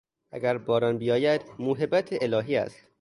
اگر باران بیاید موهبت الهی است.